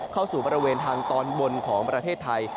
เข้าสู่บริเวณทางตอนบนของประเทศไทย